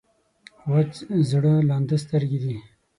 وچ زړه لانده سترګې دي.